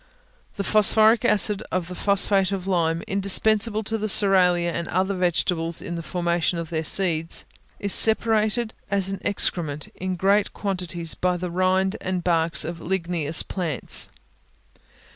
The phosphoric acid of the phosphate of lime, indispensable to the cerealia and other vegetables in the formation of their seeds, is separated as an excrement, in great quantities, by the rind and barks of ligneous plants.